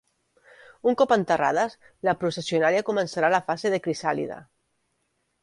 Un cop enterrades, la processionària començarà la fase de crisàlide.